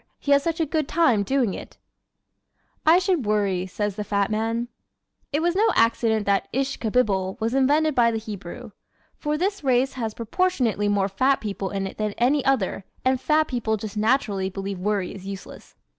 He has such a good time doing it! "I Should Worry," Says the Fat Man ¶ It was no accident that "Ish ka bibble" was invented by the Hebrew. For this race has proportionately more fat people in it than any other and fat people just naturally believe worry is useless.